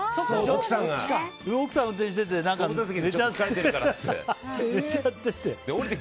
奥さんが運転してて寝ちゃってて。